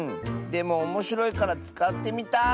でもおもしろいからつかってみたい。